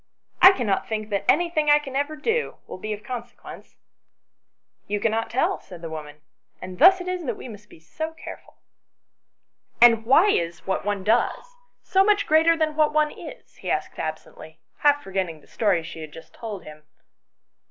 " I cannot think that anything I can ever do will be of consequence." " You cannot tell," said the woman, " and thus it is that we must be so careful." " And why is what one does so much greater than what one is ?" he asked absently, half forgetting the story she had just told him.